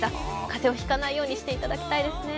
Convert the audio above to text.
風邪をひかないようにしていただきたいです。